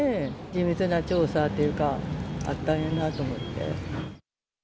地道な調査というか、あったんやなと思って。